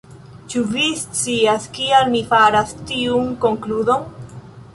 Ĉu vi scias kial mi faras tiun konkludon?